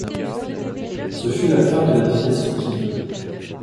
Ce fut la fin de la dynastie Qin.